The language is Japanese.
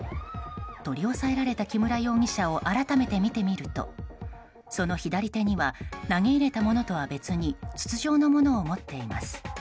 取り押さえられた木村容疑者を改めて見てみるとその左手には投げ入れたものとは別に筒状のものを持っています。